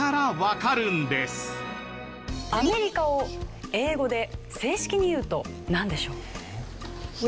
アメリカを英語で正式に言うとなんでしょう？